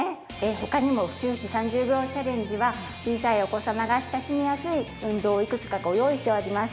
他にも府中市３０秒チャレンジは小さいお子様が親しみやすい運動をいくつかご用意しております。